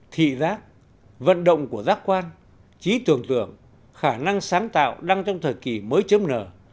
thị giác vận động của giác quan trí tưởng tượng khả năng sáng tạo đăng ký kênh